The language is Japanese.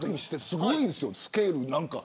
すごいんですよ、スケール。